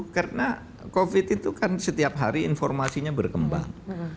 karena covid itu kan setiap hari informasinya berkembang